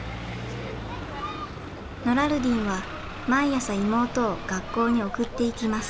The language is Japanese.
ノラルディンは毎朝妹を学校に送っていきます。